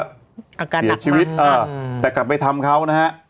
อาการเสียชีวิตแต่กลับไปทำเขานะฮะ